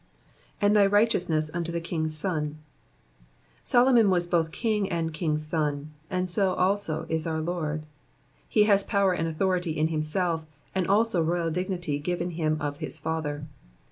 ''And thy righteousness unto t/ie king'' a son,'''' Solomon was both king and king^s son ; 80 also is our Lord. He has power and authority in himself, and also royal dignity given him of his Father.